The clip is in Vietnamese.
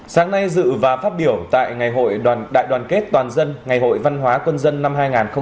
sáng nay dự và phát biểu tại ngày hội đoàn đại đoàn kết toàn dân ngày hội văn hóa quân dân năm hai nghìn hai mươi